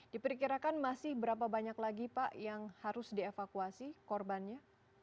diperkirakan masih berapa banyak lagi pak yang harus dievakuasi korbannya